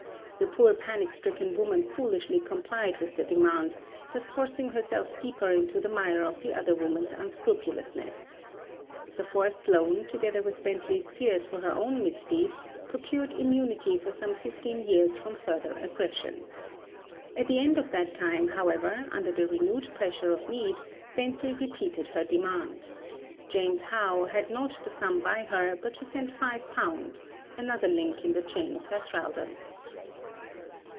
The poor panic stricken woman foolishly complied with the demand, thus forcing herself deeper into the mire of the other woman's unscrupulousness. The forced loan, together with Bently's fears for her own misdeed procured immunity for some fifteen years from further aggression. At the end of that time, however, under the renewed pressure of need Bently repeated her demand. "James How" had not the sum by her, but she sent £5 another link in the chain of her thraldom.